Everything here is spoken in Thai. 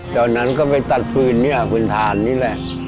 ตอนนั้นก็ไปตัดฟืนเนี่ยพื้นฐานนี่แหละ